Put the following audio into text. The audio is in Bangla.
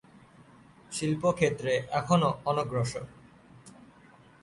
শিল্পক্ষেত্রে এখনও অনগ্রসর।